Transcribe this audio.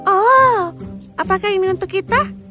oh apakah ini untuk kita